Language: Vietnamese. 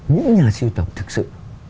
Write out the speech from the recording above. những nhà sưu tập thực sự